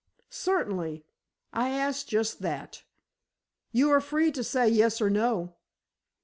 "Certainly; I ask just that. You are free to say yes or no!"